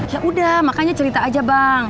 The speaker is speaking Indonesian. ya udah makanya cerita aja bang